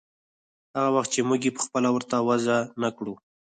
هغه وخت چې موږ يې پخپله ورته وضع نه کړو.